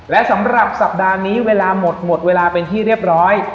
และสำหรับสัปดาห์นี้เวลาหมดหมดเวลาเป็นที่เรียบร้อย